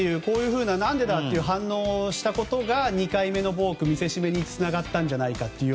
何でだという反応をしたことが２回目のボーク、見せしめにつながったんじゃないかと。